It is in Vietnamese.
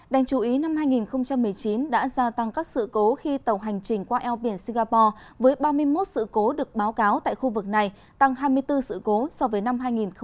đành chú ý năm hai nghìn một mươi chín đã gia tăng các sự cố khi tàu hành trình qua eo biển singapore với ba mươi một sự cố được báo cáo tại khu vực này tăng hai mươi bốn sự cố so với năm hai nghìn một mươi tám